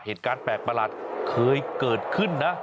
เหตุการณ์แปลกประหลาดเคยเกิดขึ้นนะ